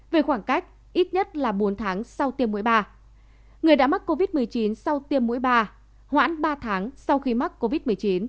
về khoảng cách ít nhất là bốn tháng sau tiêm mũi ba người đã mắc covid một mươi chín sau tiêm mũi ba hoãn ba tháng sau khi mắc covid một mươi chín